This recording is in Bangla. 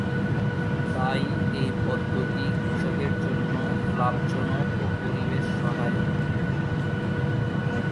তাই এই পদ্ধতি কৃষকের জন্য লাভজনক ও পরিবেশ সহায়ক।